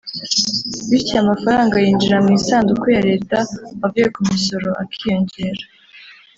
bityo amafaranga yinjira mu isanduku ya Leta avuye ku misoro akiyongera